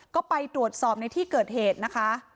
ก็ไปตรวจสอบในที่เกิดเหตุนะคะ